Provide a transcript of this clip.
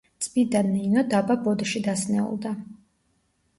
წმიდა ნინო დაბა ბოდში დასნეულდა.